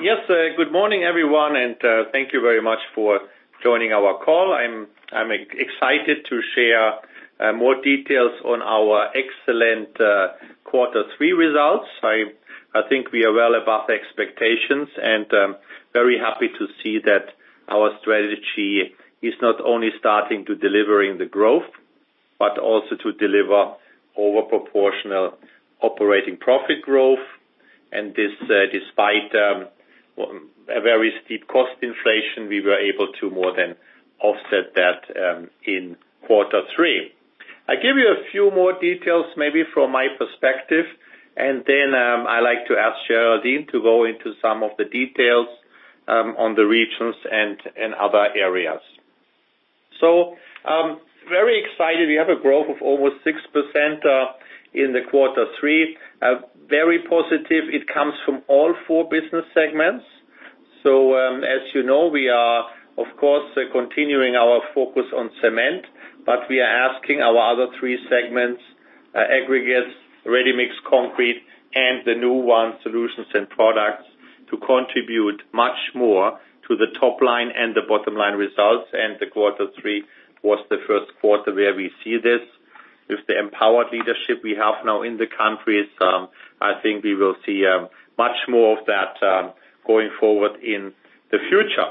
Yes. Good morning, everyone, and thank you very much for joining our call. I'm excited to share more details on our excellent quarter three results. I think we are well above expectations, and very happy to see that our strategy is not only starting to delivering the growth, but also to deliver over proportional operating profit growth. Despite a very steep cost inflation, we were able to more than offset that in quarter three. I give you a few more details maybe from my perspective, and then I'd like to ask Géraldine to go into some of the details on the regions and other areas. Very excited. We have a growth of over 6% in the quarter three. Very positive, it comes from all four business segments. As you know, we are, of course, continuing our focus on cement, but we are asking our other three segments, aggregates, ready-mix concrete, and the new one, solutions and products, to contribute much more to the top line and the bottom line results. The quarter three was the first quarter where we see this. With the empowered leadership we have now in the countries, I think we will see much more of that going forward in the future.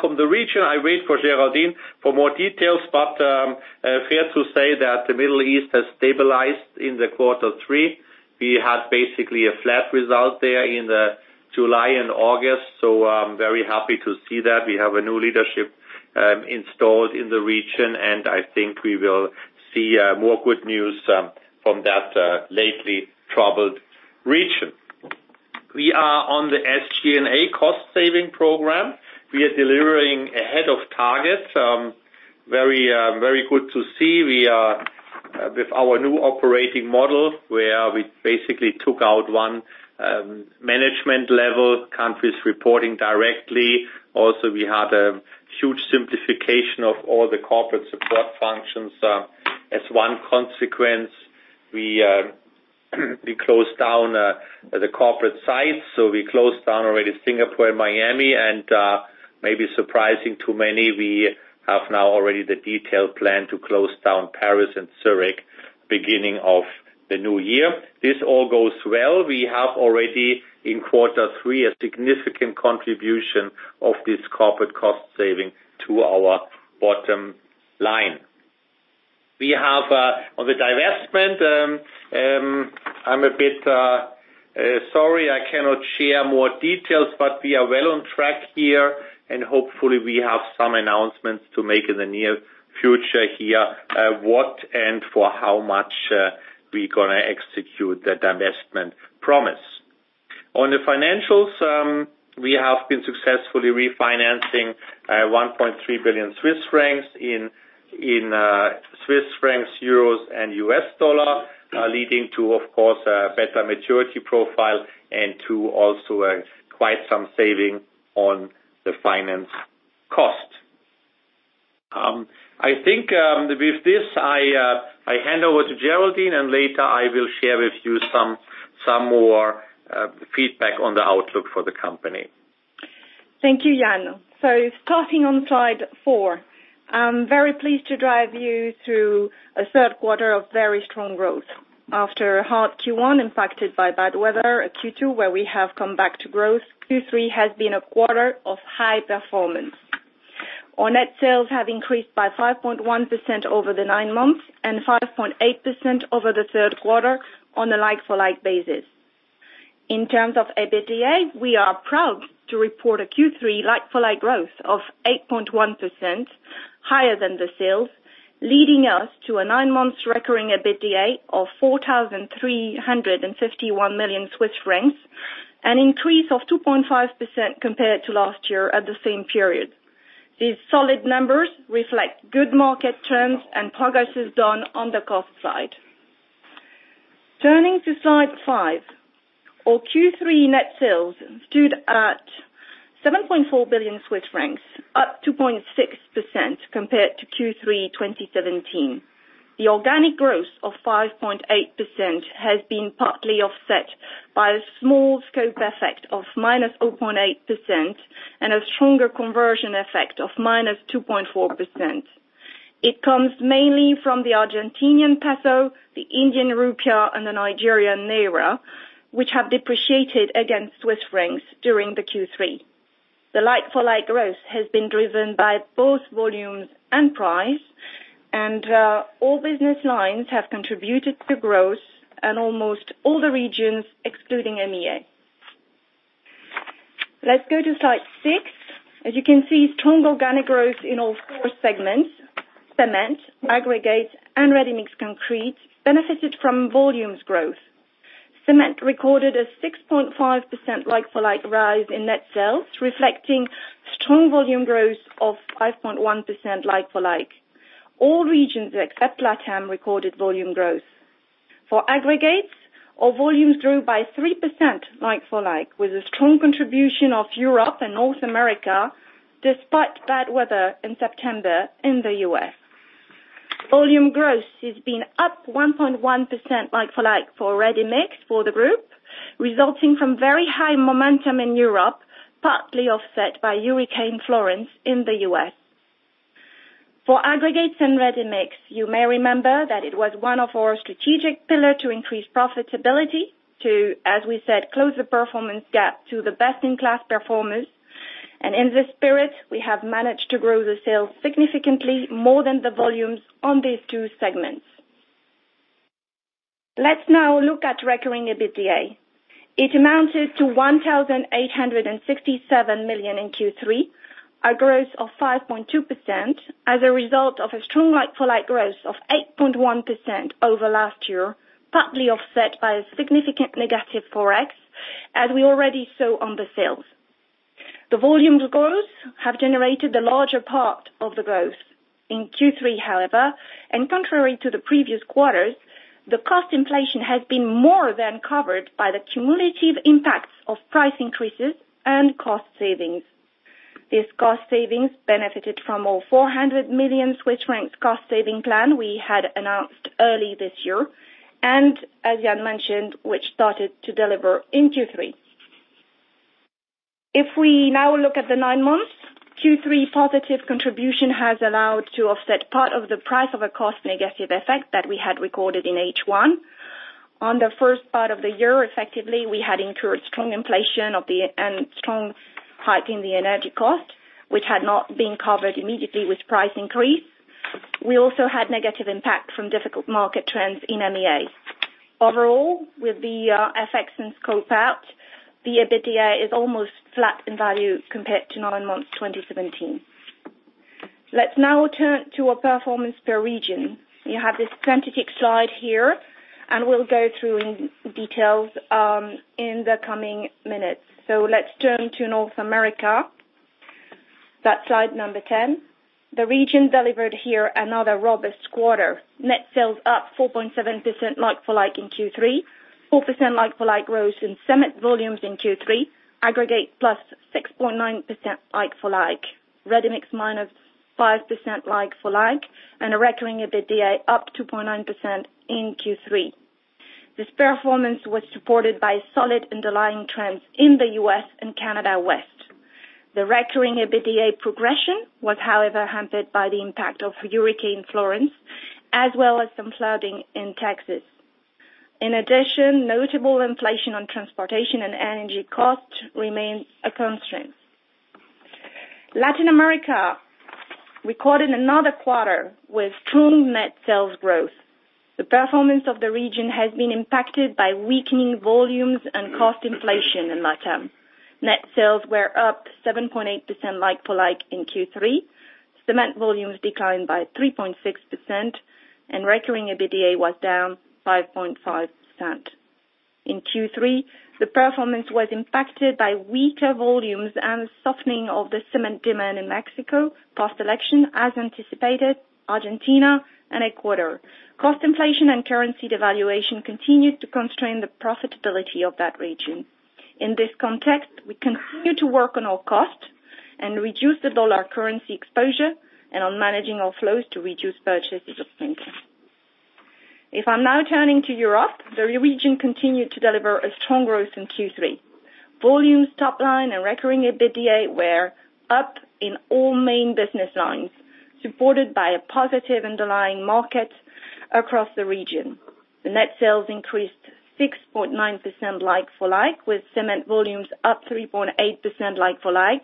From the region, I wait for Géraldine for more details, but fair to say that the Middle East has stabilized in the quarter three. We had basically a flat result there in July and August. I'm very happy to see that. We have a new leadership installed in the region, and I think we will see more good news from that lately troubled region. We are on the SG&A cost-saving program. We are delivering ahead of target. Very good to see. With our new operating model, where we basically took out one management level, countries reporting directly. Also, we had a huge simplification of all the corporate support functions. As one consequence, we closed down the corporate sites. We closed down already Singapore, Miami, and maybe surprising to many, we have now already the detailed plan to close down Paris and Zurich, beginning of the new year. This all goes well. We have already, in quarter three, a significant contribution of this corporate cost saving to our bottom line. We have on the divestment, I'm a bit sorry I cannot share more details, but we are well on track here, and hopefully we have some announcements to make in the near future here, what and for how much we're going to execute the divestment promise. On the financials, we have been successfully refinancing 1.3 billion Swiss francs in CHF, EUR, and USD, leading to, of course, a better maturity profile, and to also quite some saving on the finance cost. I think with this, I hand over to Géraldine, and later I will share with you some more feedback on the outlook for the company. Thank you, Jan. Starting on slide four. I'm very pleased to drive you through a third quarter of very strong growth. After a hard Q1 impacted by bad weather, a Q2 where we have come back to growth, Q3 has been a quarter of high performance. Our net sales have increased by 5.1% over the nine months, and 5.8% over the third quarter on a like-for-like basis. In terms of EBITDA, we are proud to report a Q3 like-for-like growth of 8.1%, higher than the sales, leading us to a nine months recurring EBITDA of 4,351 million Swiss francs, an increase of 2.5% compared to last year at the same period. These solid numbers reflect good market trends and progresses done on the cost side. Turning to slide five. Our Q3 net sales stood at 7.4 billion Swiss francs, up 2.6% compared to Q3 2017. The organic growth of 5.8% has been partly offset by a small scope effect of minus 0.8%, and a stronger conversion effect of minus 2.4%. It comes mainly from the Argentinian peso, the Indian rupee, and the Nigerian naira, which have depreciated against CHF during the Q3. The like-for-like growth has been driven by both volumes and price, and all business lines have contributed to growth in almost all the regions excluding MEA. Let's go to slide six. As you can see, strong organic growth in all four segments. Cement, aggregates, and ready-mix concrete benefited from volumes growth. Cement recorded a 6.5% like-for-like rise in net sales, reflecting strong volume growth of 5.1% like-for-like. All regions except Latam recorded volume growth. For aggregates, our volumes grew by 3% like-for-like, with a strong contribution of Europe and North America, despite bad weather in September in the U.S. Volume growth has been up 1.1% like-for-like for ready-mix for the group, resulting from very high momentum in Europe, partly offset by Hurricane Florence in the U.S. For aggregates and ready-mix, you may remember that it was one of our strategic pillar to increase profitability to, as we said, close the performance gap to the best-in-class performers, and in this spirit, we have managed to grow the sales significantly more than the volumes on these two segments. Let's now look at recurring EBITDA. It amounted to 1,867 million in Q3, a growth of 5.2% as a result of a strong like-for-like growth of 8.1% over last year, partly offset by a significant negative Forex, as we already saw on the sales. The volumes growth have generated the larger part of the growth. In Q3, however, and contrary to the previous quarters, the cost inflation has been more than covered by the cumulative impacts of price increases and cost savings. These cost savings benefited from our 400 million Swiss francs cost saving plan we had announced early this year, and as Jan mentioned, which started to deliver in Q3. We now look at the nine months, Q3 positive contribution has allowed to offset part of the price of a cost negative effect that we had recorded in H1. On the first part of the year, effectively, we had incurred strong inflation and strong hike in the energy cost, which had not been covered immediately with price increase. We also had negative impact from difficult market trends in MEA. Overall, with the FX and scope out, the EBITDA is almost flat in value compared to nine months 2017. Let's now turn to our performance per region. You have this quantitative slide here, and we will go through in details in the coming minutes. Let's now turn to North America. That is slide 10. The region delivered here another robust quarter. Net sales up 4.7% like-for-like in Q3, 4% like-for-like growth in cement volumes in Q3, aggregate +6.9% like-for-like, ready-mix -5% like-for-like, and a recurring EBITDA up 2.9% in Q3. This performance was supported by solid underlying trends in the U.S. and Canada West. The recurring EBITDA progression was, however, hampered by the impact of Hurricane Florence, as well as some flooding in Texas. In addition, notable inflation on transportation and energy costs remains a constraint. Latin America recorded another quarter with strong net sales growth. The performance of the region has been impacted by weakening volumes and cost inflation in Latam. Net sales were up 7.8% like-for-like in Q3. Cement volumes declined by 3.6%, and recurring EBITDA was down 5.5%. In Q3, the performance was impacted by weaker volumes and softening of the cement demand in Mexico post-election as anticipated, Argentina, and Ecuador. Cost inflation and currency devaluation continued to constrain the profitability of that region. In this context, we continue to work on our cost and reduce the dollar currency exposure and on managing our flows to reduce purchases of cement. I am now turning to Europe, the region continued to deliver a strong growth in Q3. Volumes, top line, and recurring EBITDA were up in all main business lines, supported by a positive underlying market across the region. The net sales increased 6.9% like-for-like, with cement volumes up 3.8% like-for-like,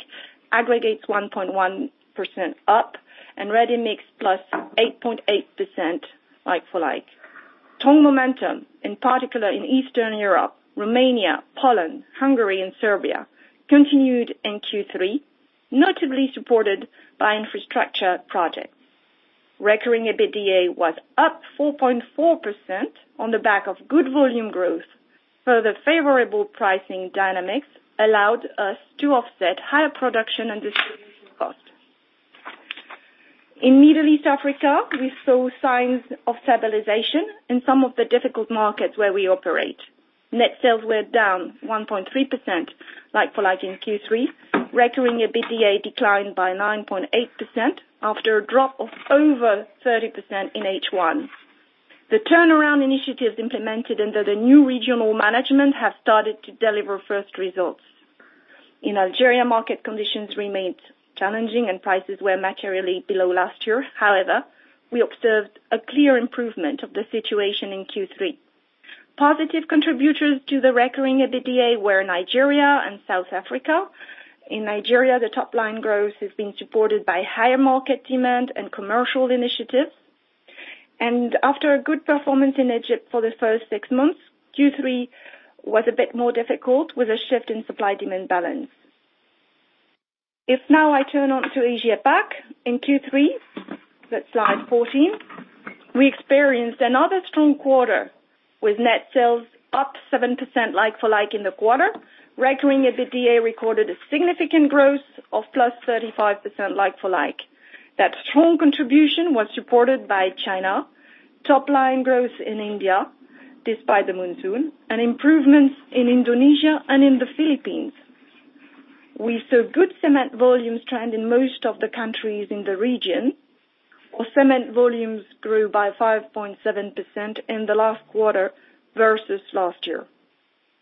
aggregates 1.1% up, and ready-mix +8.8% like-for-like. Strong momentum, in particular in Eastern Europe, Romania, Poland, Hungary, and Serbia, continued in Q3, notably supported by infrastructure projects. Recurring EBITDA was up 4.4% on the back of good volume growth. The favorable pricing dynamics allowed us to offset higher production and distribution costs. In Middle East Africa, we saw signs of stabilization in some of the difficult markets where we operate. Net sales were down 1.3% like-for-like in Q3. Recurring EBITDA declined by 9.8% after a drop of over 30% in H1. The turnaround initiatives implemented under the new regional management have started to deliver first results. In Algeria, market conditions remained challenging and prices were materially below last year. However, we observed a clear improvement of the situation in Q3. Positive contributors to the recurring EBITDA were Nigeria and South Africa. In Nigeria, the top-line growth has been supported by higher market demand and commercial initiatives. After a good performance in Egypt for the first six months, Q3 was a bit more difficult with a shift in supply-demand balance. Now I turn on to Asia PAC in Q3, that is slide 14, we experienced another strong quarter with net sales up 7% like-for-like in the quarter. Recurring EBITDA recorded a significant growth of +35% like-for-like. That strong contribution was supported by China, top-line growth in India despite the monsoon, and improvements in Indonesia and in the Philippines. We saw good cement volumes trend in most of the countries in the region. Our cement volumes grew by 5.7% in the last quarter versus last year.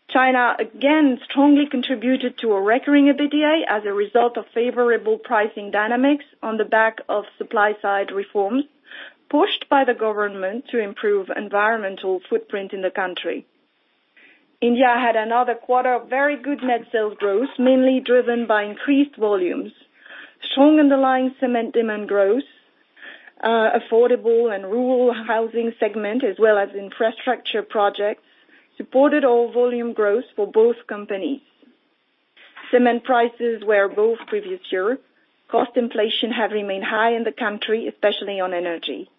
China, again, strongly contributed to a recurring EBITDA as a result of favorable pricing dynamics on the back of supply side reforms, pushed by the government to improve environmental footprint in the country. India had another quarter of very good net sales growth, mainly driven by increased volumes, strong underlying cement demand growth, affordable and rural housing segment, as well as infrastructure projects, supported all volume growth for both companies. Cement prices were both previous year. Cost inflation have remained high in the country, especially on energy.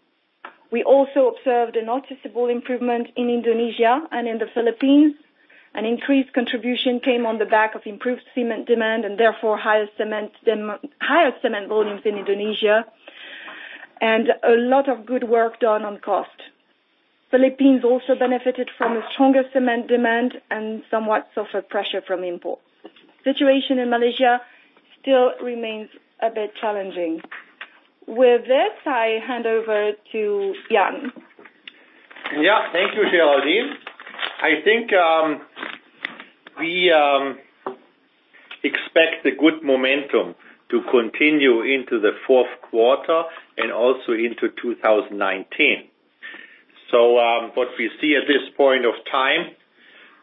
We also observed a noticeable improvement in Indonesia and in the Philippines. An increased contribution came on the back of improved cement demand, and therefore higher cement volumes in Indonesia, and a lot of good work done on cost. Philippines also benefited from a stronger cement demand and somewhat suffered pressure from import. Situation in Malaysia still remains a bit challenging. With this, I hand over to Jan. Thank you, Géraldine. I think we expect a good momentum to continue into the fourth quarter and also into 2019. What we see at this point of time,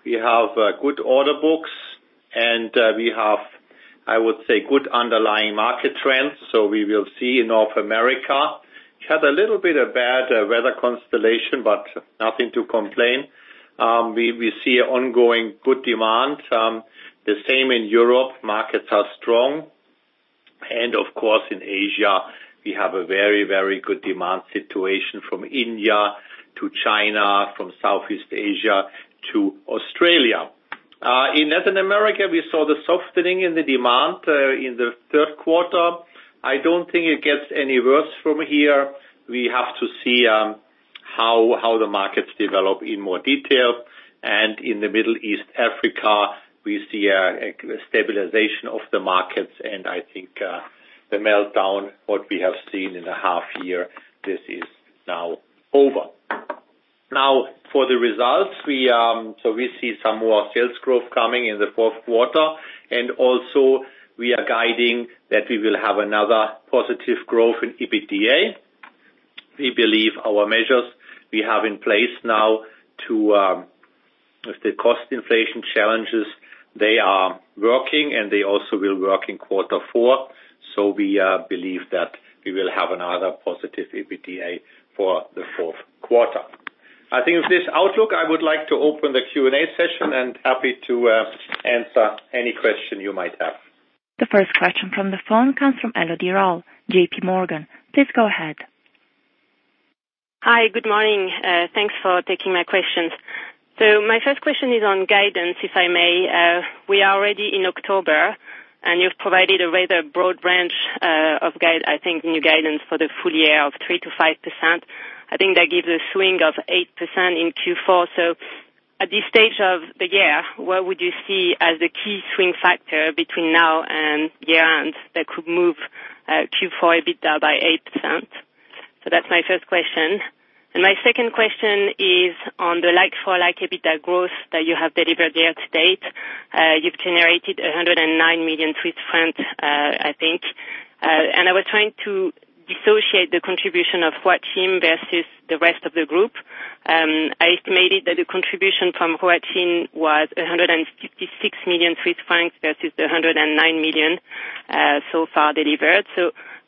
we have good order books and we have, I would say, good underlying market trends, so we will see in North America, which had a little bit of bad weather constellation, but nothing to complain. We see ongoing good demand. The same in Europe, markets are strong. Of course, in Asia, we have a very good demand situation from India to China, from Southeast Asia to Australia. In Latin America, we saw the softening in the demand in the third quarter. I don't think it gets any worse from here. We have to see how the markets develop in more detail. In the Middle East, Africa, we see a stabilization of the markets, and I think the meltdown, what we have seen in a half year, this is now over. Now for the results, we see some more sales growth coming in the fourth quarter, and also we are guiding that we will have another positive growth in EBITDA. We believe our measures we have in place now to the cost inflation challenges, they are working, and they also will work in quarter four. We believe that we will have another positive EBITDA for the fourth quarter. I think with this outlook, I would like to open the Q&A session, and happy to answer any question you might have. The first question from the phone comes from Elodie Rall, JPMorgan. Please go ahead. Hi. Good morning. Thanks for taking my questions. My first question is on guidance, if I may. We are already in October, and you've provided a rather broad range of, I think, new guidance for the full year of 3%-5%. I think that gives a swing of 8% in Q4. At this stage of the year, what would you see as the key swing factor between now and year-end that could move Q4 EBITDA by 8%? That's my first question. My second question is on the like-for-like EBITDA growth that you have delivered year to date. You've generated 109 million Swiss francs, I think. I was trying to dissociate the contribution of Huaxin versus the rest of the group. I estimated that the contribution from Huaxin was 156 million Swiss francs versus the 109 million so far delivered.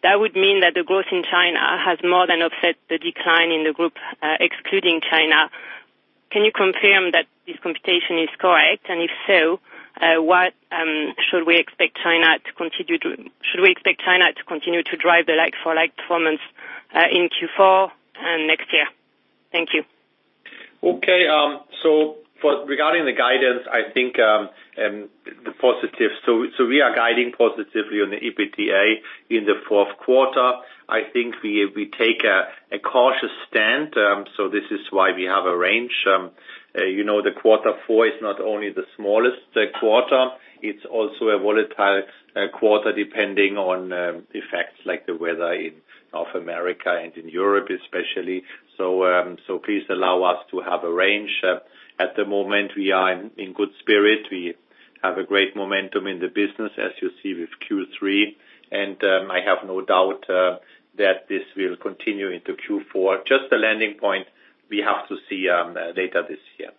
That would mean that the growth in China has more than offset the decline in the group excluding China. Can you confirm that this computation is correct? If so, should we expect China to continue to drive the like-for-like performance in Q4 and next year? Thank you. Okay. Regarding the guidance, I think we are guiding positively on the EBITDA in the fourth quarter. I think we take a cautious stand, this is why we have a range. The quarter four is not only the smallest quarter, it's also a volatile quarter depending on effects like the weather in North America and in Europe, especially. Please allow us to have a range. At the moment, we are in good spirit. We have a great momentum in the business, as you see with Q3, and I have no doubt that this will continue into Q4. Just the landing point, we have to see later this year.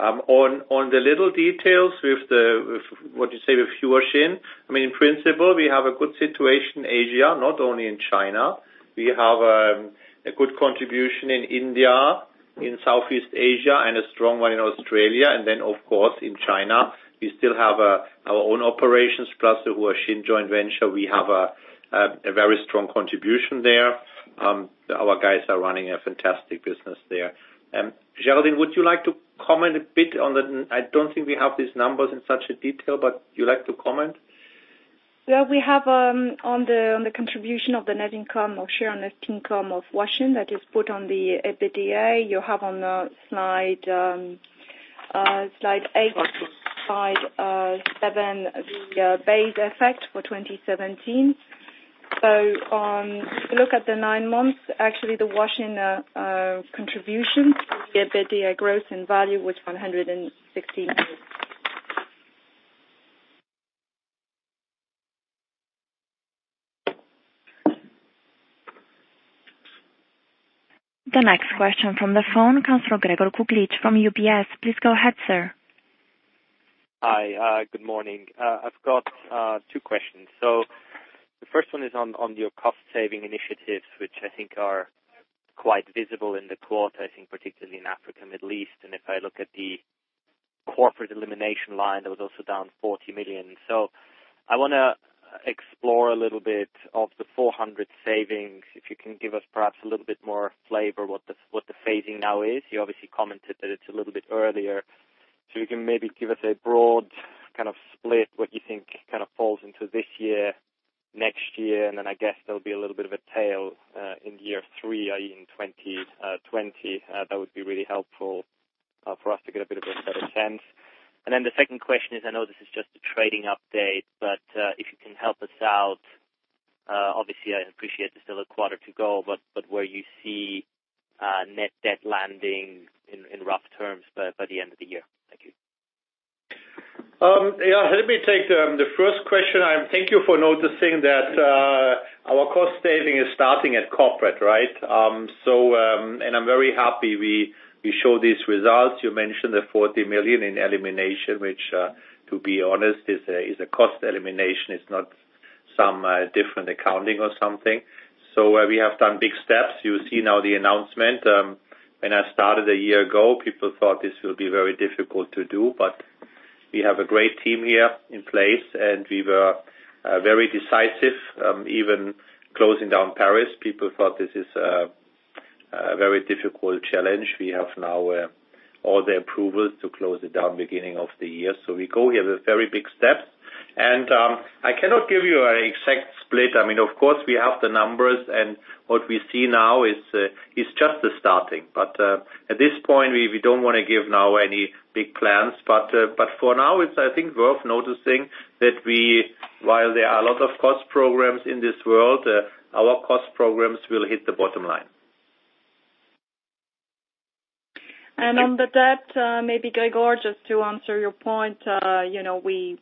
On the little details with, what you say, with Huaxin, in principle, we have a good situation in Asia, not only in China. We have a good contribution in India, in Southeast Asia, and a strong one in Australia. Of course, in China, we still have our own operations plus the Huaxin joint venture. We have a very strong contribution there. Our guys are running a fantastic business there. Géraldine, would you like to comment a bit on the I don't think we have these numbers in such a detail, but you like to comment? Well, we have on the contribution of the net income or share net income of Huaxin that is put on the EBITDA, you have on slide eight or slide seven, the base effect for 2017. If you look at the nine months, actually the Huaxin contribution to EBITDA growth in value was CHF 160 million. The next question from the phone comes from Gregor Kuglitsch from UBS. Please go ahead, sir. Hi. Good morning. I've got two questions. The first one is on your cost-saving initiatives, which I think are quite visible in the quarter, I think particularly in Africa and Middle East. If I look at the corporate elimination line, that was also down 40 million. I want to explore a little bit of the 400 savings, if you can give us perhaps a little bit more flavor what the phasing now is. You obviously commented that it's a little bit earlier. You can maybe give us a broad kind of split, what you think kind of falls into this year, next year, and then I guess there'll be a little bit of a tail in year three, in 2020. That would be really helpful for us to get a bit of a better sense. The second question is, I know this is just a trading update, if you can help us out, obviously, I appreciate there's still a quarter to go, where you see net debt landing in rough terms by the end of the year. Thank you. Let me take the first question. Thank you for noticing that our cost saving is starting at corporate. I'm very happy we show these results. You mentioned the 40 million in elimination, which, to be honest, is a cost elimination. It's not some different accounting or something. We have done big steps. You see now the announcement. When I started a year ago, people thought this will be very difficult to do, we have a great team here in place, and we were very decisive. Even closing down Paris, people thought this is a very difficult challenge. We have now all the approvals to close it down beginning of the year. We go, we have a very big step. I cannot give you an exact split. I mean, of course, we have the numbers, and what we see now is just the starting. At this point, we don't want to give now any big plans, for now, it's, I think, worth noticing that while there are a lot of cost programs in this world, our cost programs will hit the bottom line. On the debt, maybe Gregor, just to answer your point, it's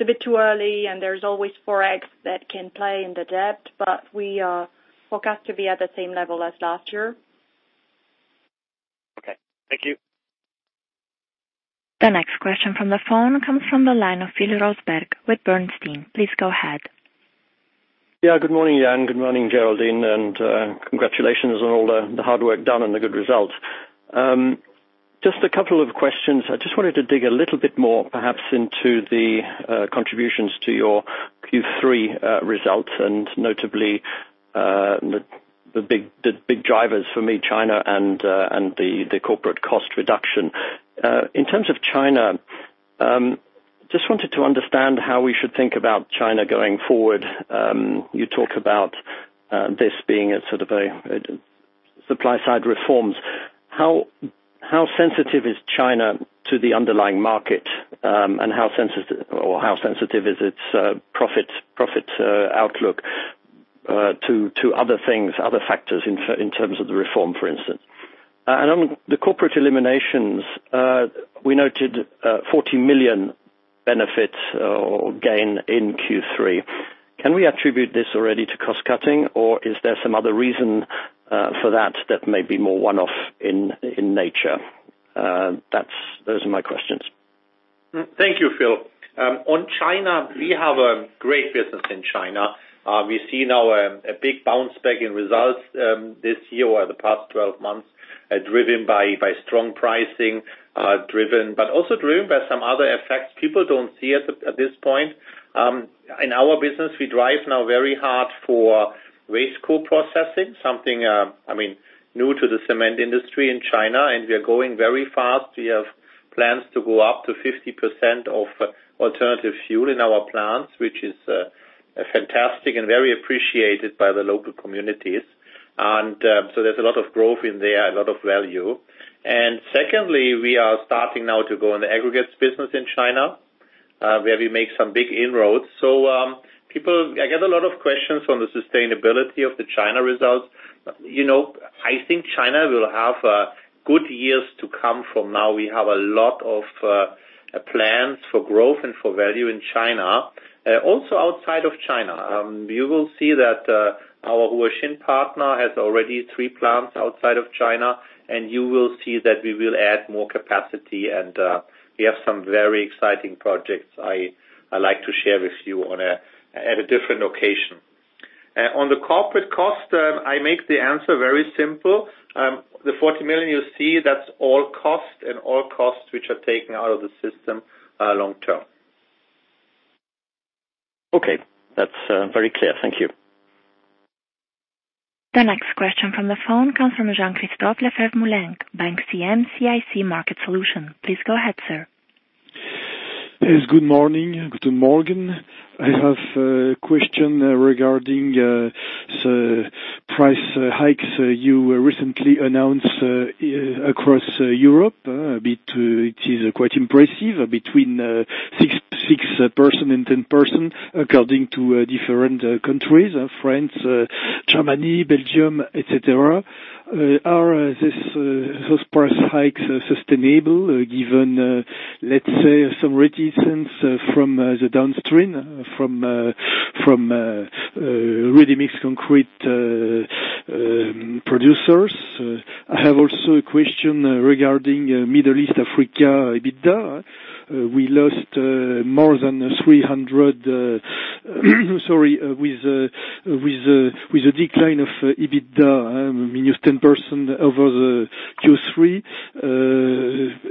a bit too early, and there's always Forex that can play in the debt, we forecast to be at the same level as last year. Okay. Thank you. The next question from the phone comes from the line of Phil Roseberg with Bernstein. Please go ahead. Yeah, good morning, Jan. Good morning, Géraldine, and congratulations on all the hard work done and the good results. Just a couple of questions. I just wanted to dig a little bit more, perhaps into the contributions to your Q3 results, and notably the big drivers for me, China and the corporate cost reduction. In terms of China, just wanted to understand how we should think about China going forward. You talk about this being a sort of a supply-side reforms. How sensitive is China to the underlying market, and how sensitive is its profit outlook to other things, other factors in terms of the reform, for instance? On the corporate eliminations, we noted 40 million benefit or gain in Q3. Can we attribute this already to cost-cutting, or is there some other reason for that may be more one-off in nature? Those are my questions. Thank you, Phil. On China, we have a great business in China. We see now a big bounce back in results this year or the past 12 months, driven by strong pricing, but also driven by some other effects people don't see at this point. In our business, we drive now very hard for waste co-processing, something new to the cement industry in China, and we are going very fast. We have plans to go up to 50% of alternative fuel in our plants, which is fantastic and very appreciated by the local communities. There's a lot of growth in there, a lot of value. Secondly, we are starting now to go in the aggregates business in China, where we make some big inroads. I get a lot of questions on the sustainability of the China results. I think China will have good years to come from now. We have a lot of plans for growth and for value in China. Also outside of China. You will see that our Huaxin partner has already three plants outside of China, and you will see that we will add more capacity, and we have some very exciting projects I like to share with you at a different location. On the corporate cost, I make the answer very simple. The 40 million you see, that's all costs and all costs which are taken out of the system long-term. Okay. That's very clear. Thank you. The next question from the phone comes from Jean-Christophe Lefèvre-Moulenq, CIC Market Solutions. Please go ahead, sir. Yes, good morning. Guten Morgen. I have a question regarding the price hikes you recently announced across Europe. It is quite impressive, between 6% and 10% according to different countries, France, Germany, Belgium, et cetera. Are those price hikes sustainable given, let's say, some reticence from the downstream, from ready-mix concrete producers? I have also a question regarding Middle East, Africa EBITDA. We lost more than 300 with the decline of EBITDA, -10% over the Q3.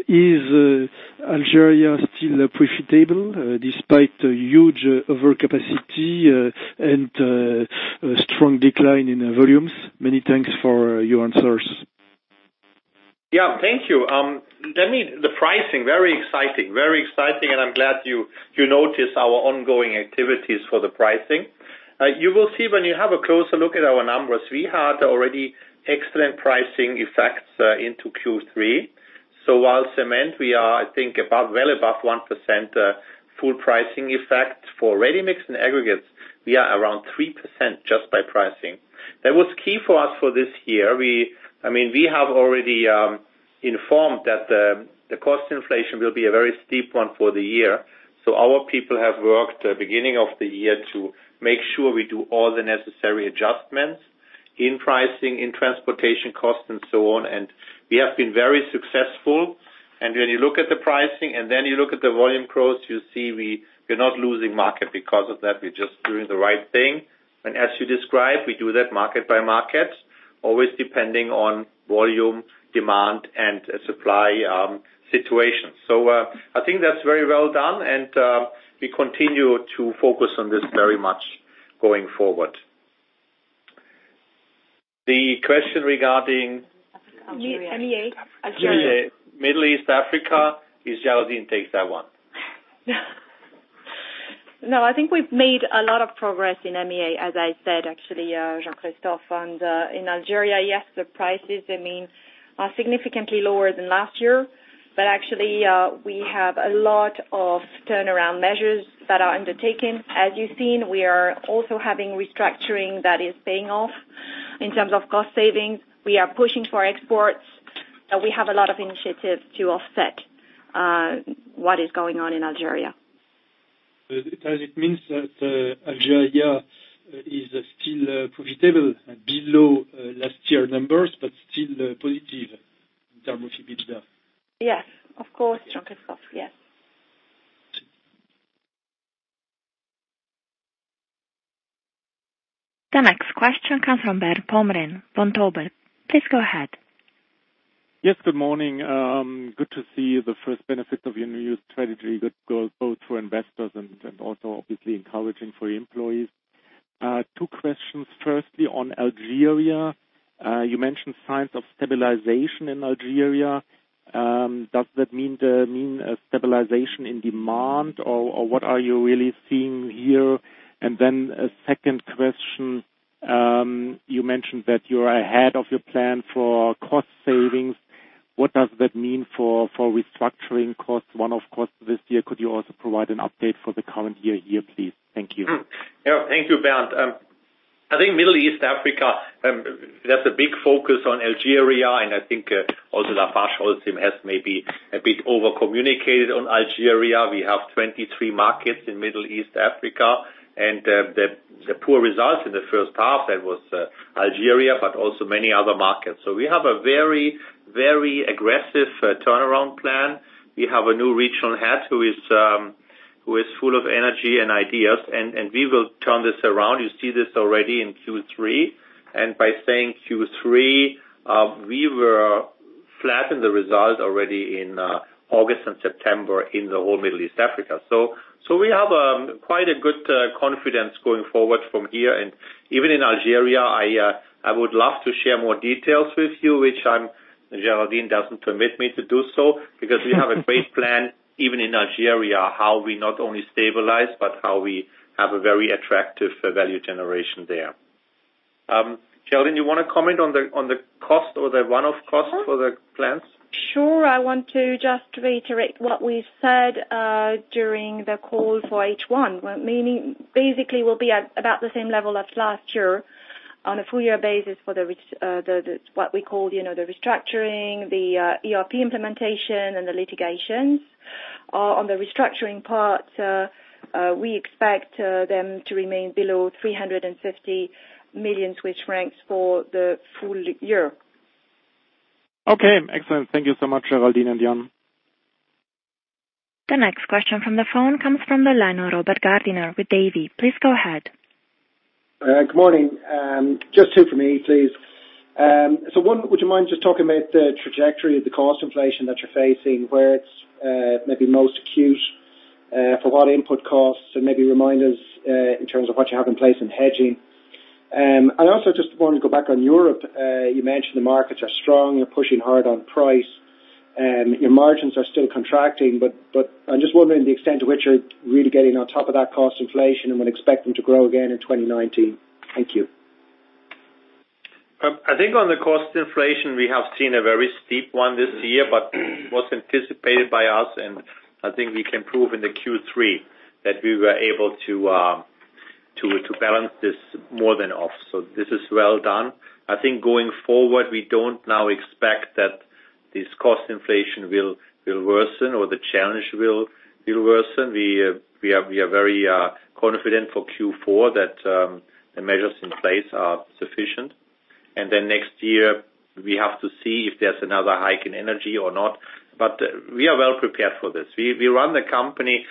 Is Algeria still profitable despite huge overcapacity and a strong decline in volumes? Many thanks for your answers. Yeah, thank you. The pricing, very exciting. Very exciting. I'm glad you noticed our ongoing activities for the pricing. You will see when you have a closer look at our numbers, we had already excellent pricing effects into Q3. While cement, we are, I think, well above 1% full pricing effect. For ready-mix and aggregates, we are around 3% just by pricing. That was key for us for this year. We have already informed that the cost inflation will be a very steep one for the year. Our people have worked beginning of the year to make sure we do all the necessary adjustments in pricing, in transportation cost, and so on, and we have been very successful. When you look at the pricing and then you look at the volume growth, you see we're not losing market because of that. We're just doing the right thing. As you described, we do that market by market, always depending on volume, demand, and supply situation. I think that's very well done, and we continue to focus on this very much going forward. The question regarding- I think Algeria. MEA. Algeria. MEA. Middle East, Africa, Ms. Géraldine takes that one. No, I think we've made a lot of progress in MEA, as I said actually, Jean-Christophe. In Algeria, yes, the prices are significantly lower than last year. Actually, we have a lot of turnaround measures that are undertaken. As you've seen, we are also having restructuring that is paying off in terms of cost savings. We are pushing for exports, and we have a lot of initiatives to offset what is going on in Algeria. Does it means that Algeria is still profitable below last year numbers, but still positive in terms of EBITDA? Yes, of course, Jean-Christophe. Yes. Okay. The next question comes from Bernd Pomrehn, Berenberg Bank. Please go ahead. Yes, good morning. Good to see the first benefit of your new strategy that goes both for investors and also obviously encouraging for your employees. Two questions. Firstly, on Algeria, you mentioned signs of stabilization in Algeria. Does that mean a stabilization in demand, or what are you really seeing here? Then a second question. You mentioned that you're ahead of your plan for cost savings. What does that mean for restructuring costs? One-off cost this year, could you also provide an update for the current year here, please? Thank you. Thank you, Bernd. I think Middle East, Africa, that's a big focus on Algeria, and I think also LafargeHolcim has maybe a bit over-communicated on Algeria. We have 23 markets in Middle East, Africa, and the poor results in the first half, that was Algeria, but also many other markets. We have a very, very aggressive turnaround plan. We have a new regional head who is full of energy and ideas, and we will turn this around. You see this already in Q3. By saying Q3, we were flat in the result already in August and September in the whole Middle East, Africa. We have quite a good confidence going forward from here. Even in Algeria, I would love to share more details with you, which Géraldine Picaud doesn't permit me to do so, because we have a great plan even in Algeria, how we not only stabilize, but how we have a very attractive value generation there. Géraldine Picaud, you want to comment on the cost or the one-off cost for the plans? Sure. I want to just reiterate what we said during the call for H1. Basically, we'll be at about the same level as last year on a full year basis for what we call the restructuring, the ERP implementation, and the litigations. On the restructuring part, we expect them to remain below 350 million Swiss francs for the full year. Okay, excellent. Thank you so much, Geraldine and Jan. The next question from the phone comes from the line of Robert Gardiner with Davy. Please go ahead. Good morning. Just two from me, please. One, would you mind just talking about the trajectory of the cost inflation that you're facing, where it's maybe most acute, for what input costs, and maybe remind us in terms of what you have in place in hedging. Also just wanted to go back on Europe. You mentioned the markets are strong. You're pushing hard on price. Your margins are still contracting, but I'm just wondering the extent to which you're really getting on top of that cost inflation and would expect them to grow again in 2019. Thank you. I think on the cost inflation, we have seen a very steep one this year, but it was anticipated by us, and I think we can prove in the Q3 that we were able to balance this more than off. This is well done. I think going forward, we don't now expect that this cost inflation will worsen or the challenge will worsen. We are very confident for Q4 that the measures in place are sufficient. Next year, we have to see if there's another hike in energy or not. We are well prepared for this. We run the company.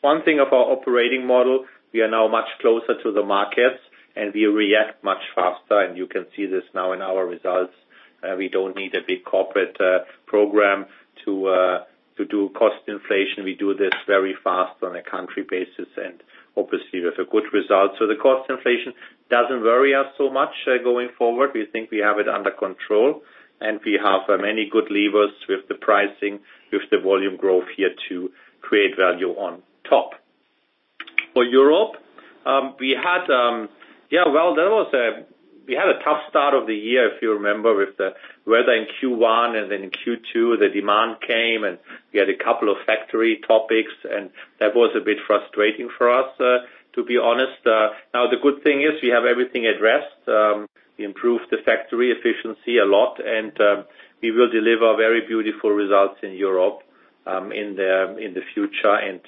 One thing of our operating model, we are now much closer to the markets, and we react much faster, and you can see this now in our results. We don't need a big corporate program to do cost inflation. We do this very fast on a country basis and obviously with a good result. The cost inflation doesn't worry us so much going forward. We think we have it under control, and we have many good levers with the pricing, with the volume growth here to create value on top. For Europe, we had a tough start of the year, if you remember, with the weather in Q1. In Q2, the demand came, and we had a couple of factory topics, and that was a bit frustrating for us, to be honest. The good thing is we have everything addressed. We improved the factory efficiency a lot, and we will deliver very beautiful results in Europe in the future and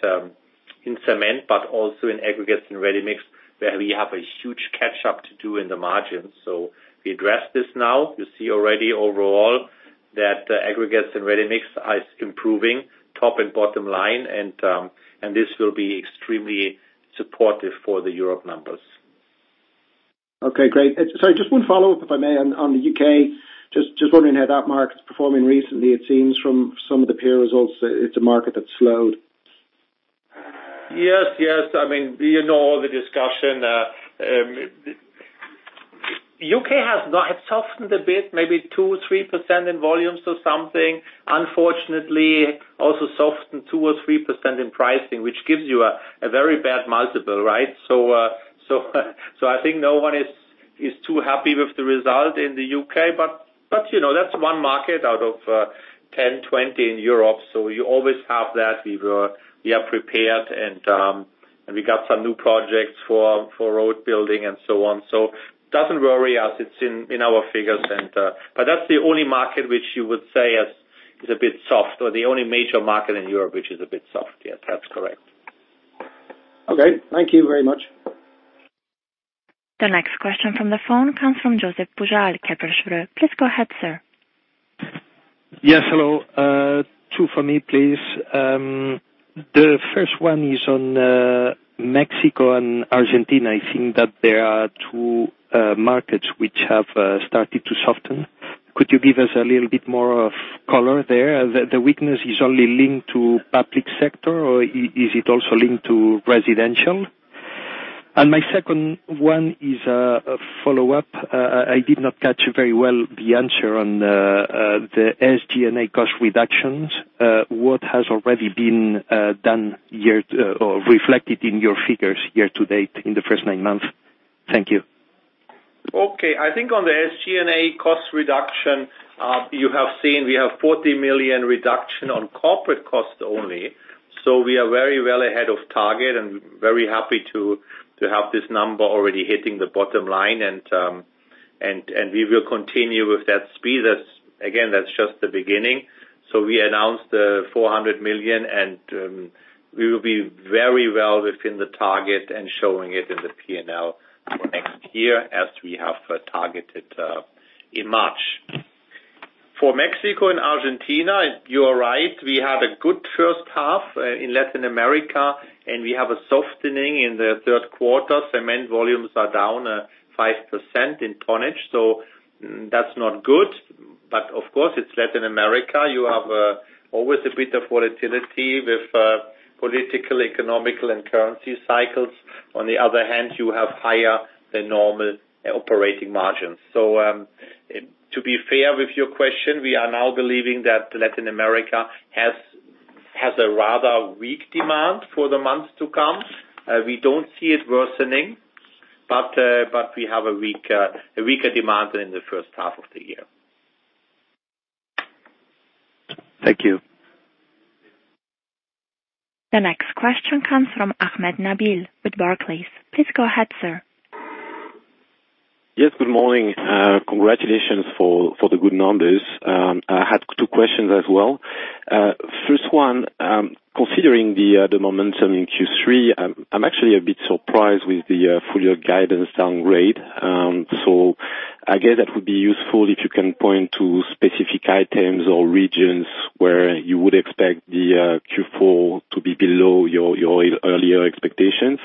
in cement, but also in aggregates and ready-mix, where we have a huge catch-up to do in the margins. We address this now. You see already overall that aggregates and ready-mix is improving, top and bottom line, and this will be extremely supportive for the Europe numbers. Great. Sorry, just one follow-up, if I may. On the U.K., just wondering how that market's performing recently. It seems from some of the peer results, it's a market that's slowed. Yes. You know all the discussion. U.K. has softened a bit, maybe 2%, 3% in volumes or something. Unfortunately, also softened 2% or 3% in pricing, which gives you a very bad multiple, right? I think no one is too happy with the result in the U.K., but that's one market out of 10, 20 in Europe. You always have that. We are prepared, and we got some new projects for road building and so on. Doesn't worry us. It's in our figures, but that's the only market which you would say is a bit soft, or the only major market in Europe which is a bit soft. Yes, that's correct. Okay. Thank you very much. The next question from the phone comes from Josep Pujal, Kepler Cheuvreux. Please go ahead, sir. Yes, hello. Two from me, please. The first one is on Mexico and Argentina. I think that there are two markets which have started to soften. Could you give us a little bit more of color there? The weakness is only linked to public sector, or is it also linked to residential? My second one is a follow-up. I did not catch very well the answer on the SG&A cost reductions. What has already been done or reflected in your figures year to date in the first nine months? Thank you. Okay. I think on the SG&A cost reduction, you have seen we have 40 million reduction on corporate costs only. We are very well ahead of target and very happy to have this number already hitting the bottom line, and we will continue with that speed. Again, that's just the beginning. We announced 400 million, and we will be very well within the target and showing it in the P&L for next year as we have targeted in March. For Mexico and Argentina, you are right. We had a good first half in Latin America, and we have a softening in the third quarter. Cement volumes are down 5% in tonnage, so that's not good. But of course, it's Latin America. You have always a bit of volatility with political, economic, and currency cycles. On the other hand, you have higher than normal operating margins. To be fair with your question, we are now believing that Latin America has a rather weak demand for the months to come. We don't see it worsening, but we have a weaker demand than in the first half of the year. Thank you. The next question comes from Nabil Ahmed with Barclays. Please go ahead, sir. Yes, good morning. Congratulations for the good numbers. I had two questions as well. First one, considering the momentum in Q3, I am actually a bit surprised with the full year guidance downgrade. I guess that would be useful if you can point to specific items or regions where you would expect the Q4 to be below your earlier expectations.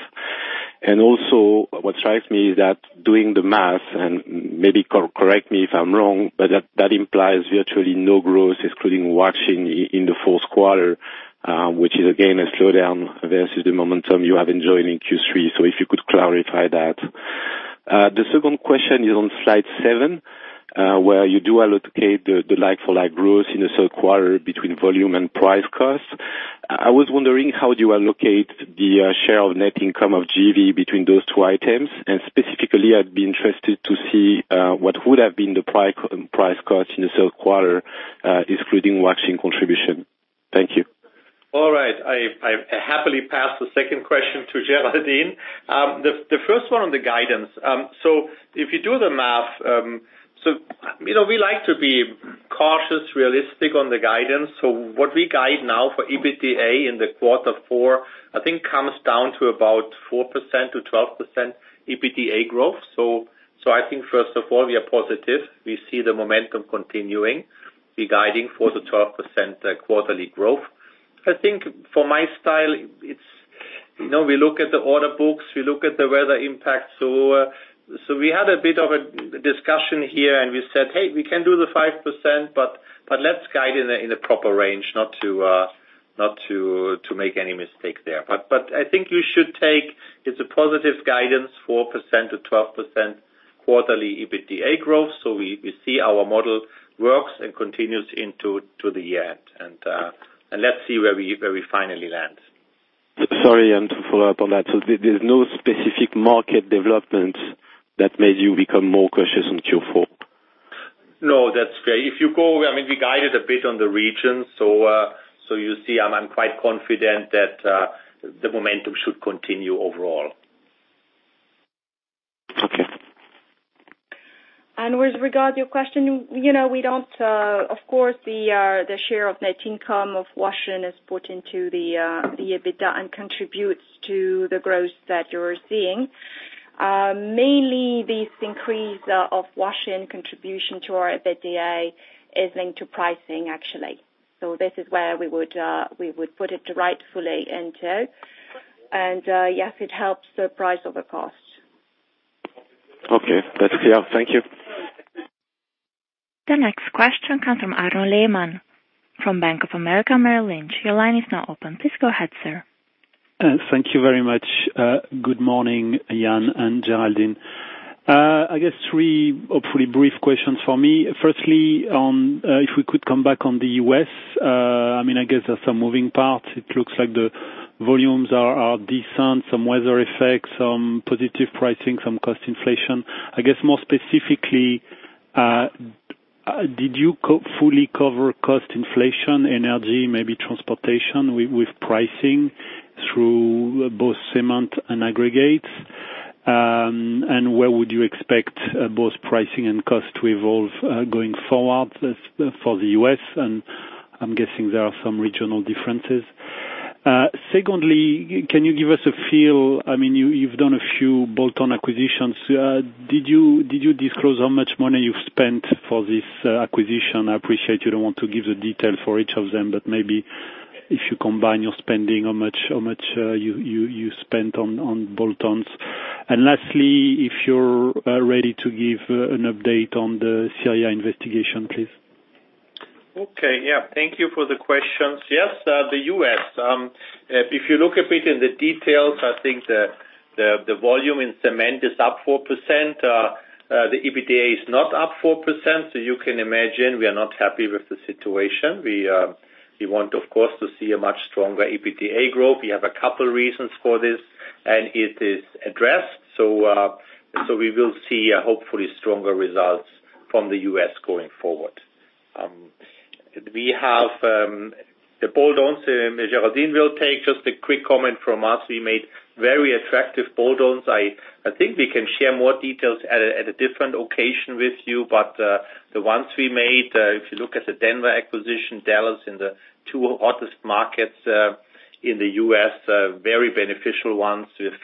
Also what strikes me is that doing the math, and maybe correct me if I am wrong, but that implies virtually no growth excluding Huaxin in the fourth quarter, which is again, a slowdown versus the momentum you have enjoyed in Q3. If you could clarify that. The second question is on slide seven, where you do allocate the like-for-like growth in the third quarter between volume and price costs. I was wondering how you allocate the share of net income of JV between those two items. Specifically, I would be interested to see what would have been the price cost in the third quarter, excluding Huaxin contribution. Thank you. All right. I happily pass the second question to Geraldine. The first one on the guidance. If you do the math, we like to be cautious, realistic on the guidance. What we guide now for EBITDA in the quarter four, I think comes down to about 4%-12% EBITDA growth. I think first of all, we are positive. We see the momentum continuing. We are guiding for the 12% quarterly growth. I think for my style, we look at the order books, we look at the weather impact. We had a bit of a discussion here and we said, "Hey, we can do the 5%, but let's guide in the proper range, not to make any mistake there." I think you should take, it is a positive guidance, 4%-12% quarterly EBITDA growth. We see our model works and continues into the end. Let's see where we finally land. Sorry, to follow up on that. There's no specific market development that made you become more cautious on Q4? No, that's fair. We guided a bit on the region, so you see I'm quite confident that the momentum should continue overall. Okay. With regard to your question, of course, the share of net income of Huaxin is put into the EBITDA and contributes to the growth that you're seeing. Mainly this increase of Huaxin contribution to our EBITDA is linked to pricing, actually. This is where we would put it rightfully into. Yes, it helps the price over costs. Okay. That's clear. Thank you. The next question comes from Arnaud Lehmann from Bank of America Merrill Lynch. Your line is now open. Please go ahead, sir. Thank you very much. Good morning, Jan and Geraldine. I guess three hopefully brief questions for me. Firstly, if we could come back on the U.S. I guess there's some moving parts. It looks like the volumes are decent, some weather effects, some positive pricing, some cost inflation. I guess more specifically, did you fully cover cost inflation, energy, maybe transportation, with pricing through both cement and aggregates? Where would you expect both pricing and cost to evolve going forward for the U.S.? I'm guessing there are some regional differences. Secondly, can you give us a feel, you've done a few bolt-on acquisitions. Did you disclose how much money you've spent for this acquisition? I appreciate you don't want to give the detail for each of them, but maybe if you combine your spending, how much you spent on bolt-ons. Lastly, if you're ready to give an update on the Syria investigation, please. Thank you for the questions. Yes, the U.S. If you look a bit in the details, I think the volume in cement is up 4%. The EBITDA is not up 4%, so you can imagine we are not happy with the situation. We want, of course, to see a much stronger EBITDA growth. We have a couple reasons for this. It is addressed. We will see hopefully stronger results from the U.S. going forward. We have the bolt-ons, Geraldine will take. Just a quick comment from us. We made very attractive bolt-ons. I think we can share more details at a different occasion with you, but the ones we made, if you look at the Denver acquisition, Dallas in the two hottest markets in the U.S., very beneficial ones with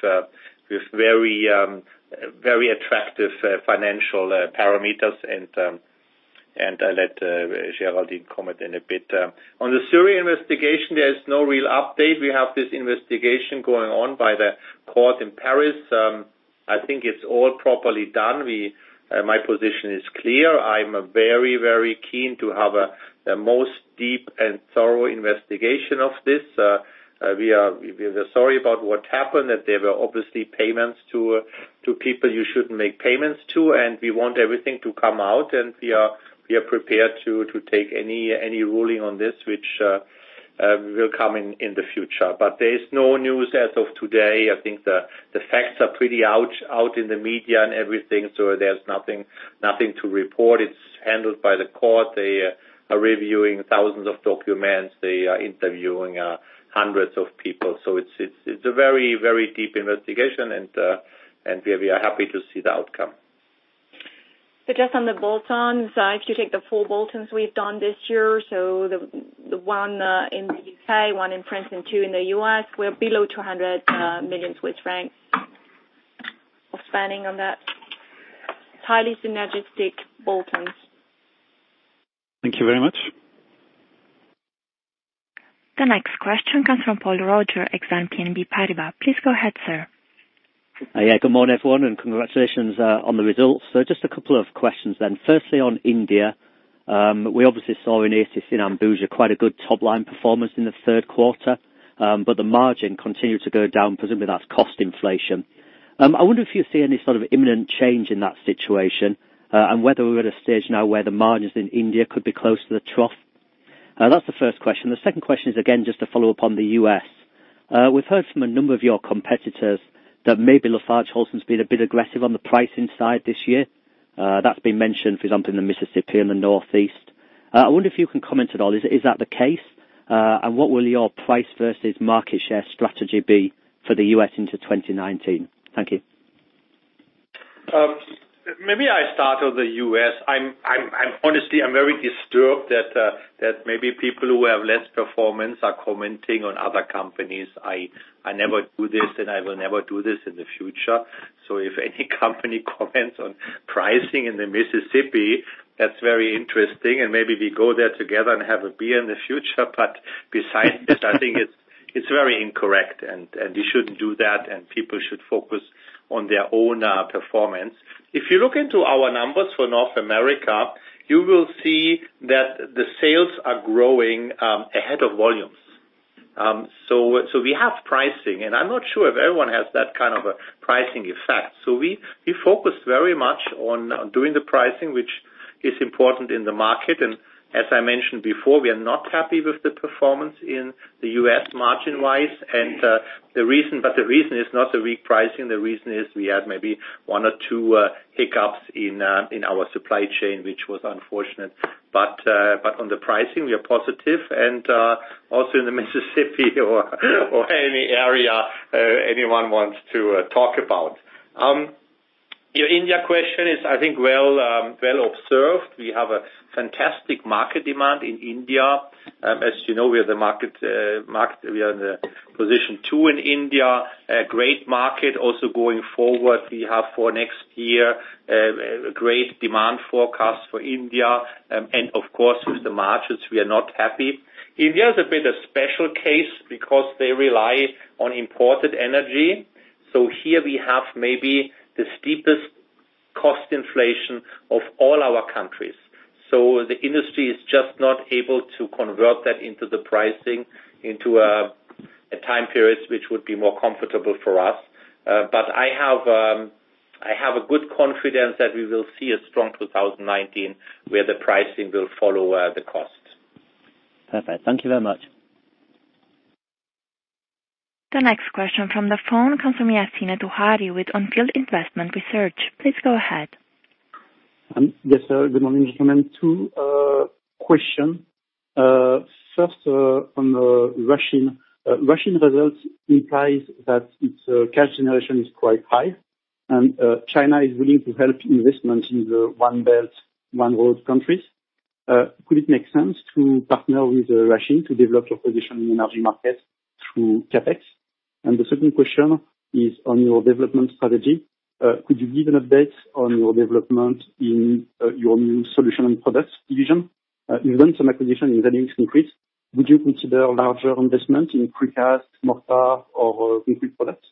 very attractive financial parameters. I'll let Geraldine comment in a bit. On the Syria investigation, there is no real update. We have this investigation going on by the court in Paris. I think it's all properly done. My position is clear. I am very keen to have the most deep and thorough investigation of this. We are sorry about what happened, that there were obviously payments to people you shouldn't make payments to, and we want everything to come out, and we are prepared to take any ruling on this, which will come in the future. There is no news as of today. I think the facts are pretty out in the media and everything, there's nothing to report. It's handled by the court. They are reviewing thousands of documents. They are interviewing hundreds of people. It's a very deep investigation and we are happy to see the outcome. Just on the bolt-ons, if you take the four bolt-ons we've done this year, the one in the U.K., one in France, and two in the U.S., we're below 200 million Swiss francs of spending on that. Highly synergistic bolt-ons. Thank you very much. The next question comes from Paul Roger, Exane BNP Paribas. Please go ahead, sir. Good morning, everyone, and congratulations on the results. Just a couple of questions. Firstly, on India. We obviously saw in Ambuja quite a good top-line performance in the third quarter, but the margin continued to go down. Presumably, that's cost inflation. I wonder if you see any sort of imminent change in that situation, and whether we're at a stage now where the margins in India could be close to the trough. That's the first question. The second question is again, just to follow up on the U.S. We've heard from a number of your competitors that maybe LafargeHolcim's been a bit aggressive on the pricing side this year. That's been mentioned, for example, in the Mississippi and the Northeast. I wonder if you can comment at all. Is that the case? What will your price versus market share strategy be for the U.S. into 2019? Thank you. Maybe I start on the U.S. Honestly, I'm very disturbed that maybe people who have less performance are commenting on other companies. I never do this, and I will never do this in the future. If any company comments on pricing in the Mississippi, that's very interesting, and maybe we go there together and have a beer in the future. Besides this, I think it's very incorrect, and we shouldn't do that, and people should focus on their own performance. If you look into our numbers for North America, you will see that the sales are growing ahead of volumes. We have pricing, and I'm not sure if everyone has that kind of a pricing effect. We focus very much on doing the pricing, which is important in the market. As I mentioned before, we are not happy with the performance in the U.S. margin-wise. The reason is not the weak pricing. The reason is we had maybe one or two hiccups in our supply chain, which was unfortunate. On the pricing, we are positive and also in the Mississippi or any area anyone wants to talk about. Your India question is, I think, well observed. We have a fantastic market demand in India. As you know, we are in position 2 in India. A great market also going forward. We have for next year a great demand forecast for India. Of course, with the margins, we are not happy. India is a bit a special case because they rely on imported energy. Here we have maybe the steepest cost inflation of all our countries. The industry is just not able to convert that into the pricing into a time period which would be more comfortable for us. I have a good confidence that we will see a strong 2019, where the pricing will follow the costs. Perfect. Thank you very much. The next question from the phone comes from Yassine Touahri with On Field Investment Research. Please go ahead. Yes, sir. Good morning, gentlemen. Two question. First on the Huaxin. Huaxin results implies that its cash generation is quite high, and China is willing to help investments in the One Belt One Road countries. Could it make sense to partner with Huaxin to develop your position in energy markets through CapEx? The second question is on your development strategy. Could you give an update on your development in your new solution and products division? You've done some acquisition in. Would you consider larger investment in precast, mortar, or concrete products?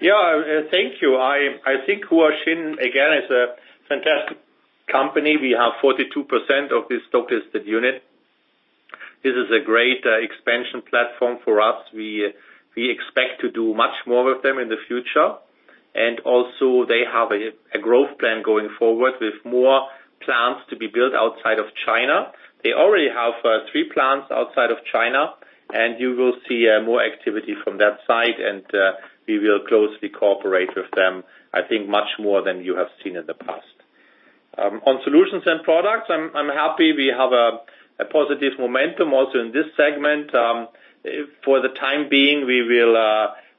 Thank you. I think Huaxin again is a fantastic company. We have 42% of this stock listed unit. This is a great expansion platform for us. We expect to do much more with them in the future, and also they have a growth plan going forward with more plants to be built outside of China. They already have three plants outside of China, and you will see more activity from that side, and we will closely cooperate with them, I think much more than you have seen in the past. On solutions and products, I'm happy we have a positive momentum also in this segment. For the time being, we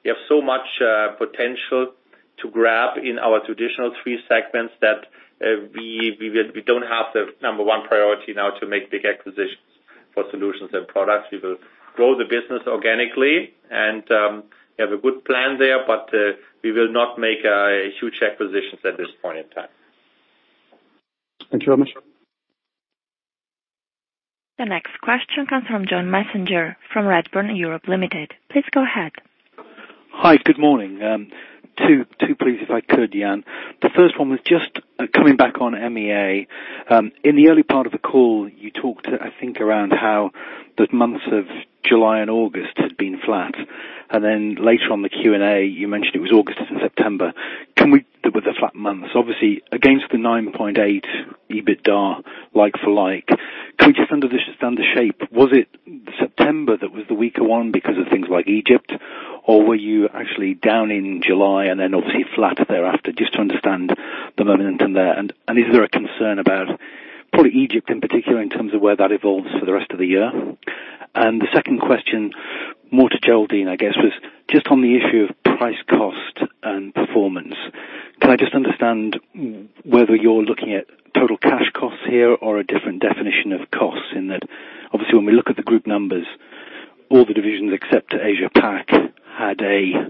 have so much potential to grab in our traditional three segments that we don't have the number one priority now to make big acquisitions for solutions and products. We will grow the business organically, and we have a good plan there, but we will not make huge acquisitions at this point in time. Thank you very much. The next question comes from John Messenger from Redburn Europe Limited. Please go ahead. Hi. Good morning. Two please, if I could, Jan. The first one was just coming back on MEA. In the early part of the call, you talked, I think, around how the months of July and August had been flat. Later on the Q&A, you mentioned it was August and September. With the flat months, obviously, against the 9.8 EBITDA like-for-like, can we just understand the shape? Was it September that was the weaker one because of things like Egypt, or were you actually down in July and then obviously flat thereafter? Just to understand the momentum there. Is there a concern about probably Egypt in particular in terms of where that evolves for the rest of the year? The second question, more to Géraldine, I guess, was just on the issue of price, cost, and performance. Can I just understand whether you're looking at total cash costs here or a different definition of costs in that? Obviously, when we look at the group numbers, all the divisions except Asia-Pacific had a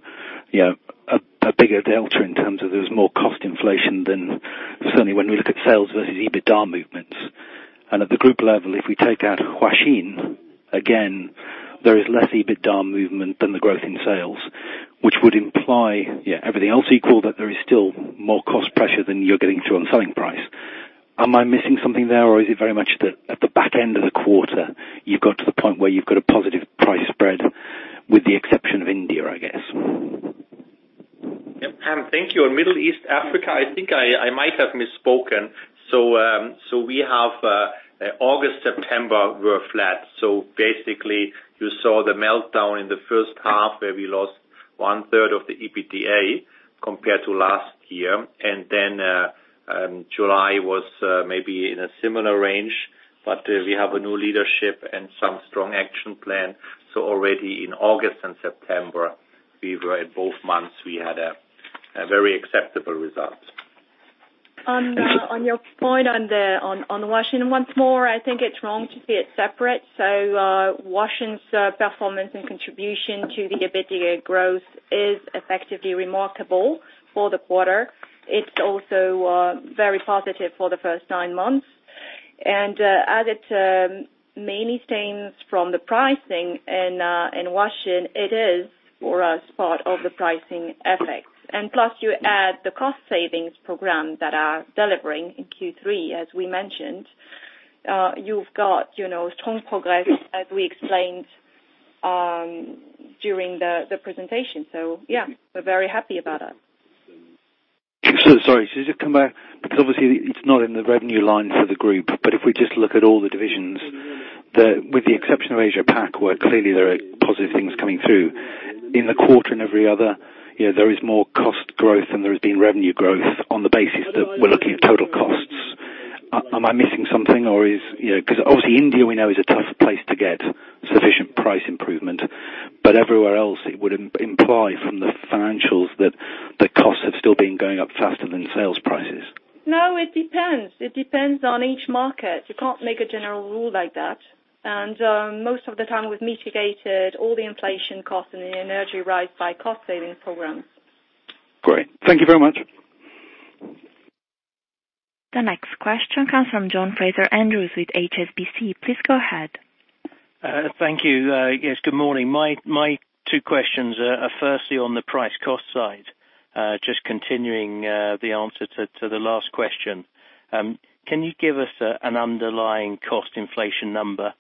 bigger delta in terms of there's more cost inflation than certainly when we look at sales versus EBITDA movements. At the group level, if we take out Huaxin, again, there is less EBITDA movement than the growth in sales, which would imply, everything else equal, that there is still more cost pressure than you're getting through on selling price. Am I missing something there, or is it very much that at the back end of the quarter, you've got to the point where you've got a positive price spread with the exception of India, I guess? Yep. Thank you. On Middle East, Africa, I think I might have misspoken. We have August, September, we're flat. Basically you saw the meltdown in the first half where we lost one-third of the EBITDA compared to last year. July was maybe in a similar range. We have a new leadership and some strong action plan. Already in August and September, we were at both months, we had a very acceptable result. On your point on Huaxin once more, I think it's wrong to see it separate. Huaxin's performance and contribution to the EBITDA growth is effectively remarkable for the quarter. It's also very positive for the first nine months. As it mainly stems from the pricing in Huaxin, it is, for us, part of the pricing effects. Plus you add the cost savings program that are delivering in Q3, as we mentioned, you've got strong progress as we explained during the presentation. Yeah, we're very happy about it. Sorry. Just come back, because obviously it's not in the revenue line for the group, but if we just look at all the divisions, with the exception of Asia-Pac, where clearly there are positive things coming through, in the quarter and every other, there is more cost growth than there has been revenue growth on the basis that we're looking at total costs. Am I missing something? Because obviously India, we know, is a tough place to get sufficient price improvement. Everywhere else, it would imply from the financials that the costs have still been going up faster than sales prices. No, it depends. It depends on each market. You can't make a general rule like that. Most of the time we've mitigated all the inflation costs and the energy rise by cost saving programs. Great. Thank you very much. The next question comes from John Fraser-Andrews with HSBC. Please go ahead. Thank you. Yes, good morning. My two questions are firstly on the price cost side. Just continuing the answer to the last question. Can you give us an underlying cost inflation number?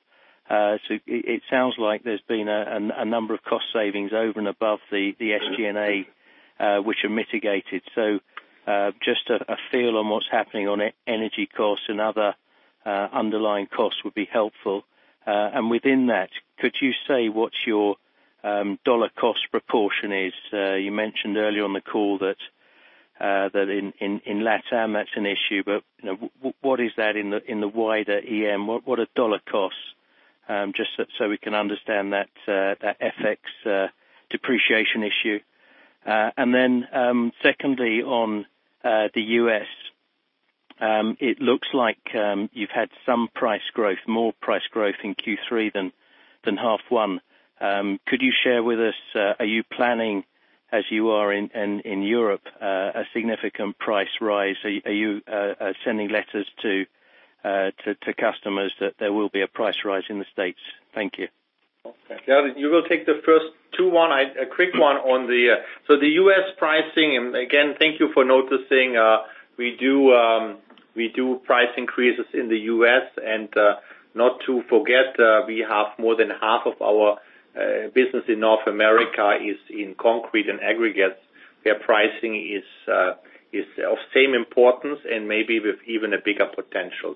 It sounds like there's been a number of cost savings over and above the SG&A, which are mitigated. Just a feel on what's happening on energy costs and other underlying costs would be helpful. Within that, could you say what your U.S. dollar cost proportion is? You mentioned earlier on the call that in LatAm that's an issue, what is that in the wider EM? What are U.S. dollar costs? Just so we can understand that FX depreciation issue. Secondly, on the U.S., it looks like you've had some price growth, more price growth in Q3 than half one. Could you share with us, are you planning as you are in Europe, a significant price rise? Are you sending letters to customers that there will be a price rise in the States? Thank you. You will take the first two one. A quick one on the U.S. pricing, thank you for noticing. We do price increases in the U.S. We have more than half of our business in North America is in concrete and aggregates where pricing is of same importance and maybe with even a bigger potential.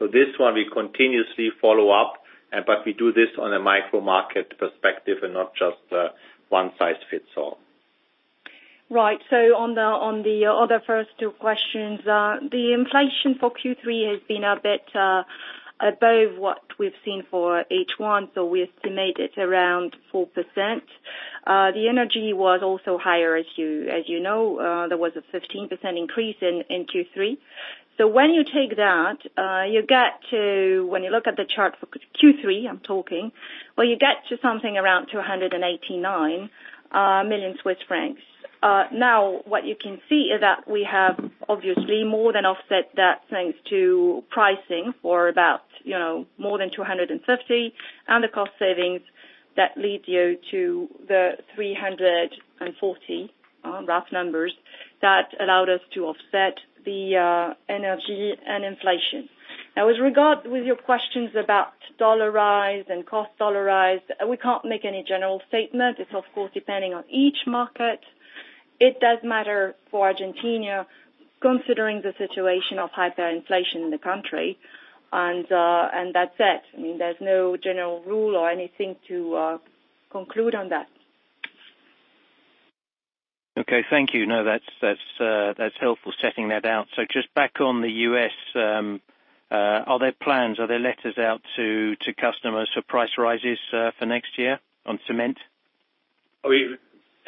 This one we continuously follow up, we do this on a micro market perspective and not just one size fits all. On the other first two questions, the inflation for Q3 has been a bit above what we've seen for H1. We estimate it around 4%. The energy was also higher, as you know. There was a 15% increase in Q3. When you take that, when you look at the chart for Q3, I'm talking, you get to something around 289 million Swiss francs. What you can see is that we have obviously more than offset that thanks to pricing for about more than 250 and the cost savings that leads you to the 340 rough numbers that allowed us to offset the energy and inflation. With your questions about U.S. dollar rise and cost U.S. dollar rise, we can't make any general statement. It's of course depending on each market. It does matter for Argentina considering the situation of hyperinflation in the country. That's it. I mean, there's no general rule or anything to conclude on that. Okay. Thank you. That's helpful setting that out. Just back on the U.S., are there plans, are there letters out to customers for price rises for next year on cement?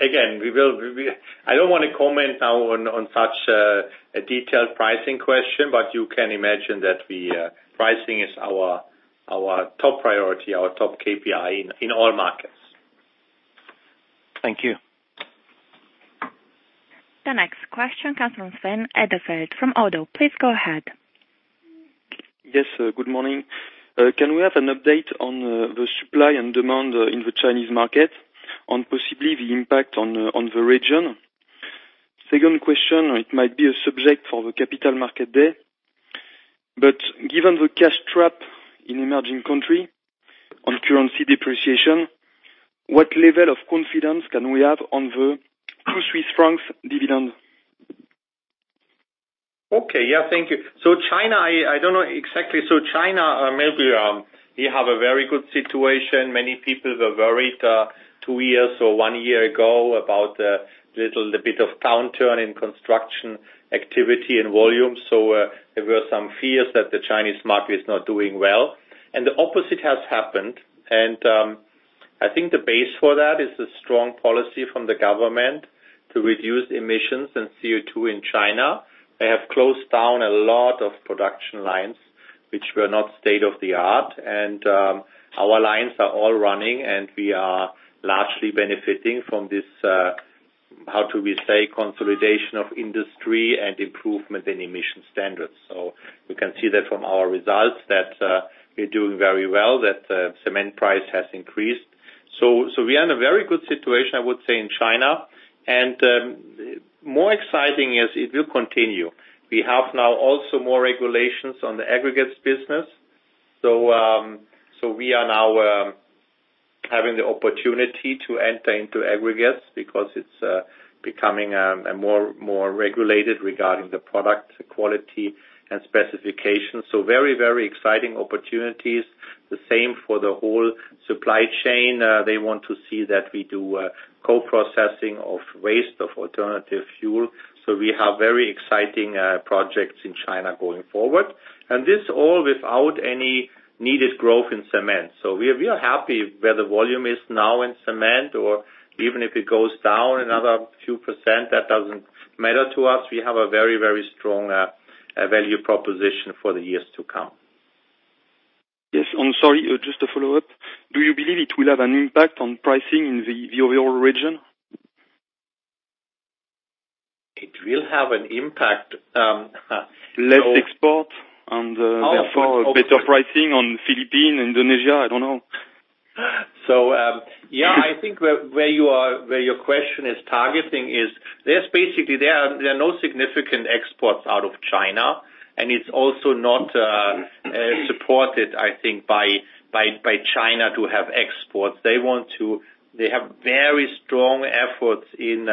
I don't want to comment now on such a detailed pricing question, but you can imagine that pricing is our top priority, our top KPI in all markets. Thank you. The next question comes from Sven Edelfelt from Oddo. Please go ahead. Yes, good morning. Can we have an update on the supply and demand in the Chinese market, on possibly the impact on the region? Second question, it might be a subject for the capital market day. Given the cash trap in emerging country on currency depreciation, what level of confidence can we have on the Swiss francs dividend? Okay. Yeah, thank you. China, I don't know exactly. China, maybe we have a very good situation. Many people were worried two years or one year ago about the little bit of downturn in construction activity and volume. There were some fears that the Chinese market is not doing well, the opposite has happened. I think the base for that is the strong policy from the government to reduce emissions and CO2 in China. They have closed down a lot of production lines which were not state-of-the-art. Our lines are all running, we are largely benefiting from this, how do we say, consolidation of industry and improvement in emission standards. We can see that from our results that we're doing very well, that cement price has increased. We are in a very good situation, I would say, in China. More exciting is it will continue. We have now also more regulations on the aggregates business. We are now having the opportunity to enter into aggregates because it's becoming more regulated regarding the product quality and specifications. Very exciting opportunities. The same for the whole supply chain. They want to see that we do co-processing of waste, of alternative fuel. We have very exciting projects in China going forward. This all without any needed growth in cement. We are happy where the volume is now in cement, or even if it goes down another few %, that doesn't matter to us. We have a very strong value proposition for the years to come. Yes. I'm sorry, just a follow-up. Do you believe it will have an impact on pricing in the overall region? It will have an impact. Less export and therefore better pricing on Philippines, Indonesia, I don't know. Yeah, I think where your question is targeting is there are no significant exports out of China, and it's also not supported, I think, by China to have exports. They have very strong efforts in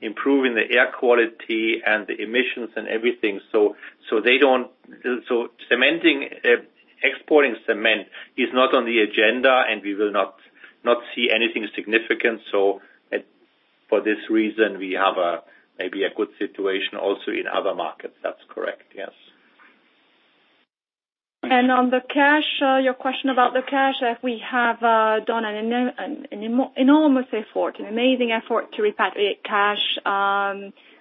improving the air quality and the emissions and everything. Exporting cement is not on the agenda, and we will not see anything significant. For this reason, we have maybe a good situation also in other markets. That's correct, yes. On the cash, your question about the cash, we have done an enormous effort, an amazing effort to repatriate cash.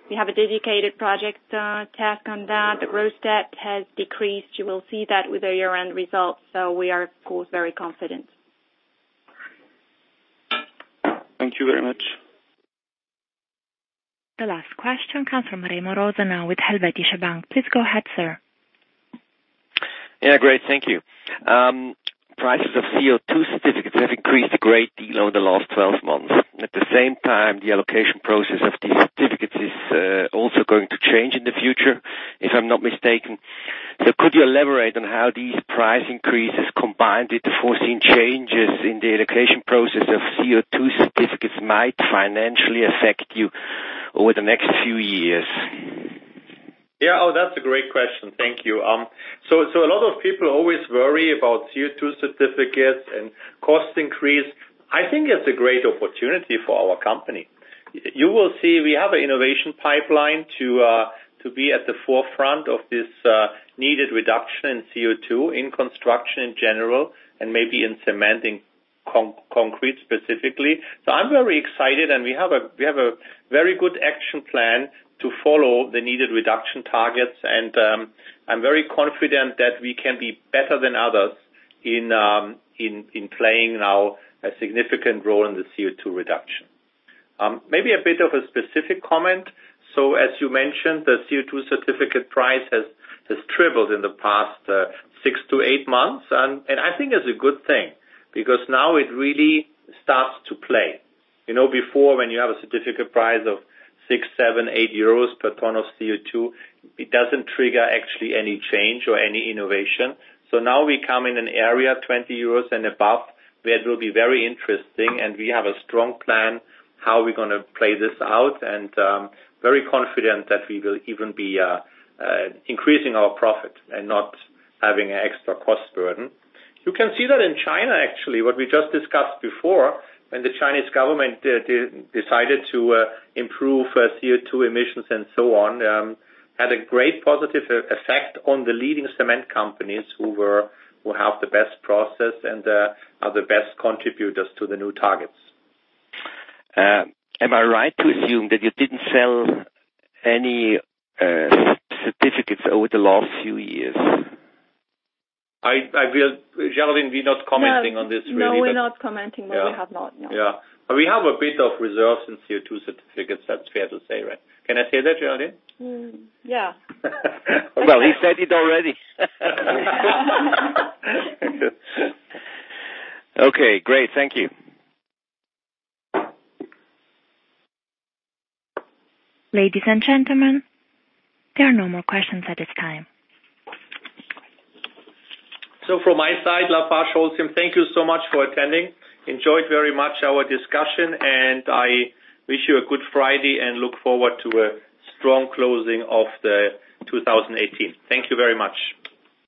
We have a dedicated project task on that. The gross debt has decreased. You will see that with our year-end results. We are, of course, very confident. Thank you very much. The last question comes from Remo Rosenau now with Helvetische Bank. Please go ahead, sir. Great. Thank you. Prices of CO2 certificates have increased a great deal over the last 12 months. At the same time, the allocation process of these certificates is also going to change in the future, if I'm not mistaken. Could you elaborate on how these price increases, combined with the foreseen changes in the allocation process of CO2 certificates, might financially affect you over the next few years? Yeah. That's a great question. Thank you. A lot of people always worry about CO2 certificates and cost increase. I think it's a great opportunity for our company. You will see we have an innovation pipeline to be at the forefront of this needed reduction in CO2 in construction in general, and maybe in cementing concrete specifically. I'm very excited, and we have a very good action plan to follow the needed reduction targets, and I'm very confident that we can be better than others in playing now a significant role in the CO2 reduction. Maybe a bit of a specific comment. As you mentioned, the CO2 certificate price has tripled in the past six to eight months. I think that's a good thing, because now it really starts to play. Before, when you have a certificate price of 6, 7, 8 euros per ton of CO2, it doesn't trigger actually any change or any innovation. Now we come in an area of 20 euros and above, where it will be very interesting, and we have a strong plan how we're going to play this out, and I'm very confident that we will even be increasing our profit and not having an extra cost burden. You can see that in China, actually, what we just discussed before, when the Chinese government decided to improve CO2 emissions and so on, had a great positive effect on the leading cement companies who have the best process and are the best contributors to the new targets. Am I right to assume that you didn't sell any certificates over the last few years? Géraldine, we're not commenting on this really. No, we're not commenting. We have not, no. Yeah. We have a bit of reserves in CO2 certificates. That's fair to say, right? Can I say that, Geraldine? Yeah. Well, he said it already. Okay, great. Thank you. Ladies and gentlemen, there are no more questions at this time. From my side, LafargeHolcim, thank you so much for attending. Enjoyed very much our discussion, and I wish you a good Friday and look forward to a strong closing of 2018. Thank you very much.